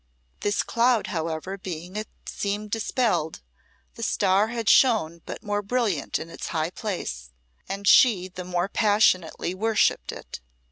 This cloud, however, being it seemed dispelled, the star had shone but more brilliant in its high place, and she the more passionately worshipped it.